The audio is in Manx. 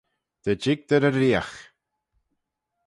Dy jig dty reeriaght.